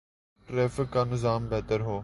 Traffic کا نظام بہتر ہو۔